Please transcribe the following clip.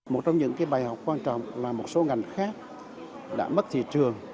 một trong những bài học quan trọng là một số ngành khác đã mất thị trường